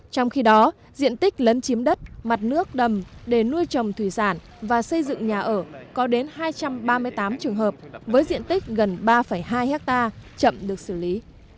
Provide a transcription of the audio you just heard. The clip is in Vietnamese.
trong khi đó diện tích lấn chiếm đất mặt nước đầm để nuôi trồng thủy sản và xây dựng nhà ở có đến hai trăm ba mươi tám trường hợp với diện tích gần ba hai hectare chậm được xử lý